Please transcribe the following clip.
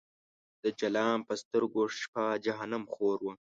د جلان په سترګو شپه جهنم خور و